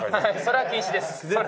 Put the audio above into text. それは禁止です。